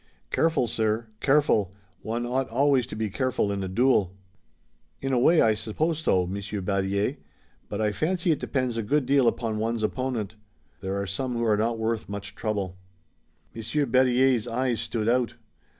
"Careful, sir! Careful! One ought always to be careful in a duel!" "In a way I suppose so. Monsieur Berryer. But I fancy it depends a good deal upon one's opponent. There are some who are not worth much trouble." Monsieur Berryer's eyes stood out.